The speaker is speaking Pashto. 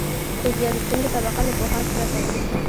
خو زیار ایستونکې طبقه له پوښاک پرته وي